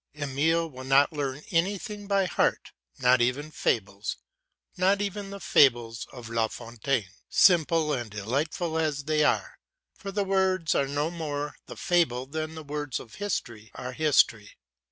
Emile will not learn anything by heart, not even fables, not even the fables of La Fontaine, simple and delightful as they are, for the words are no more the fable than the words of history are history.